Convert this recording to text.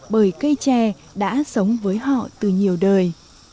bởi cây trẻ đã sống với họ từ nhiều đời